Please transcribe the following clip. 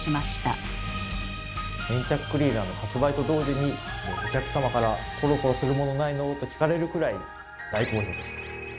粘着クリーナーの発売と同時にお客様から「コロコロするものないの？」と聞かれるくらい大好評でした。